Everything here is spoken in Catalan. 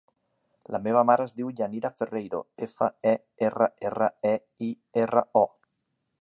La meva mare es diu Yanira Ferreiro: efa, e, erra, erra, e, i, erra, o.